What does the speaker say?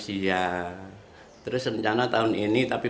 iya keberatan sekali